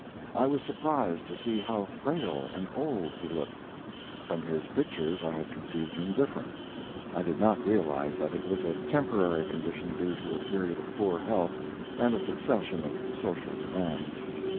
I was surprised to see how frail and old he looked. From his pictures I had conceived him different. I did not realize that it was a temporary condition due to a period of poor health and a succession of social demands.